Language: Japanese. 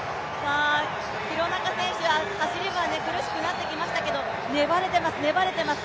廣中選手、走りが苦しくなってきましたけど、粘れてます、粘れてます。